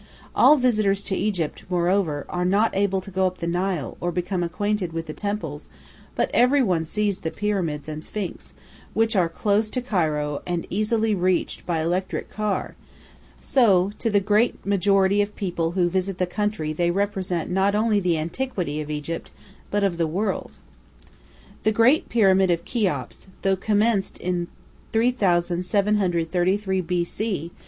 All visitors to Egypt, moreover, are not able to go up the Nile or become acquainted with the temples, but everyone sees the pyramids and sphinx, which are close to Cairo, and easily reached by electric car, so to the great majority of people who visit the country they represent not only the antiquity of Egypt, but of the world. The great pyramid of Cheops, though commenced in 3733 B.C.